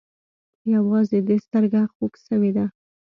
يوازې دې سترگه خوږ سوې ده.